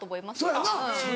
そうやよな。